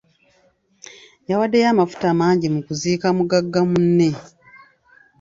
Yawaddeyo amafuta mangi mu kuziika mugagga munne.